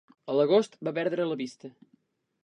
A l'agost va perdre la vista.